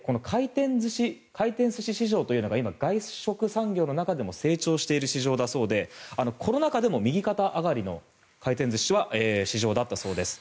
回転寿司市場というのが今、外食産業の中でも成長している市場だそうでコロナ禍で右肩上がりの市場だったそうです。